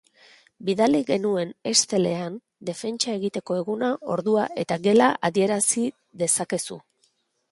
Bidali genuen Excell-ean defentsa egiteko eguna, ordua eta gela adierazidezakezu.